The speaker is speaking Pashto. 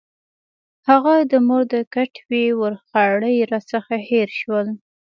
هغه د مور د کټوۍ ورخاړي راڅخه هېر شول.